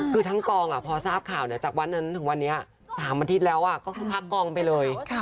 คือทั้งกองพอทราบข่าวจากวันนั้นถึงวันนี้๓อาทิตย์แล้วก็คือพักกองไปเลย